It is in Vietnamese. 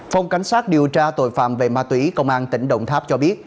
phòng cảnh sát điều tra tội phạm về ma túy công an tỉnh đồng tháp cho biết